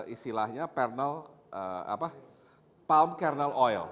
istilahnya palm kernel oil